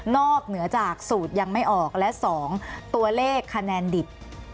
เหนือจากสูตรยังไม่ออกและ๒ตัวเลขคะแนนดิบ